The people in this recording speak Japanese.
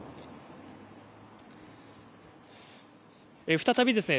再びですね